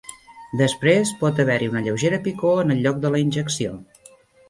Després, pot haver-hi una lleugera picor en el lloc de la injecció.